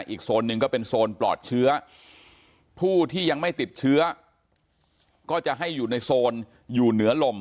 โซนหนึ่งก็เป็นโซนปลอดเชื้อผู้ที่ยังไม่ติดเชื้อก็จะให้อยู่ในโซนอยู่เหนือลม